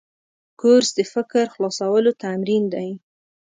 کورس د فکر خلاصولو تمرین دی.